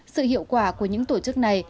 sự hiệu quả của những tổ chức này